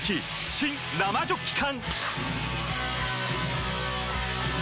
新・生ジョッキ缶！